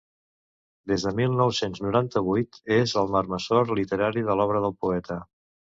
Des del mil nou-cents noranta-vuit és el marmessor literari de l'obra del poeta.